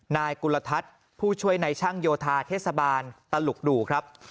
นายกุลทัศน์ผู้ช่วยในช่างโยธาเทศบาลตลุกดู่ครับ